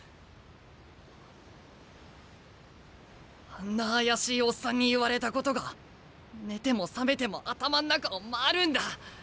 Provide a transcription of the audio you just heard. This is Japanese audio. あんな怪しいオッサンに言われたことが寝ても覚めても頭ん中を回るんだ。